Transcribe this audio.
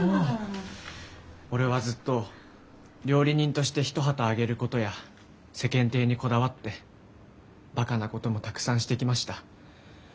俺はずっと料理人として一旗揚げることや世間体にこだわってバカなこともたくさんしてきました。